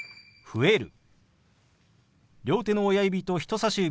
「増える」。